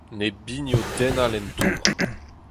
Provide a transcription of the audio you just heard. Ne bigno den all en tour.